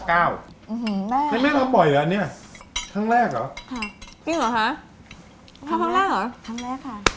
ใส้แม่ทำให้ทำบ่อยอันนี้ครั้งแรกดีหรือครับ